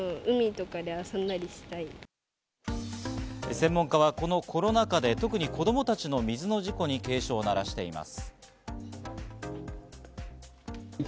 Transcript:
専門家はこのコロナ禍で特に子供たちの水の事故に警鐘を鳴らしています。